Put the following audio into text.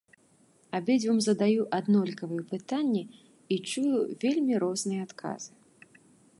Абедзвюм задаю аднолькавыя пытанні і чую вельмі розныя адказы.